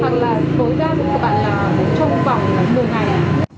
hoặc là tối đa các bạn là trong vòng một mươi ngày